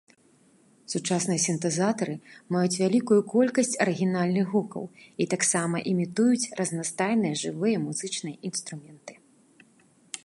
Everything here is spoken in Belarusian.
Сучасныя сінтэзатары маюць вялікую колькасць арыгінальных гукаў і таксама імітуюць разнастайныя жывыя музычныя інструменты.